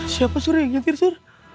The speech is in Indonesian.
siapa suruh yang nyetir sur